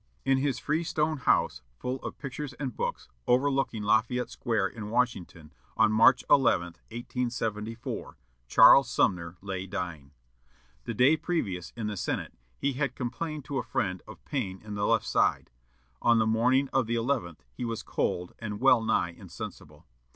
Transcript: In his freestone house, full of pictures and books, overlooking Lafayette Square in Washington, on March 11, 1874, Charles Sumner lay dying. The day previous, in the Senate, he had complained to a friend of pain in the left side. On the morning of the eleventh he was cold and well nigh insensible.